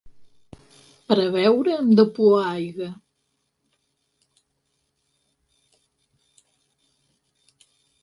Per a beure hem de pouar l'aigua.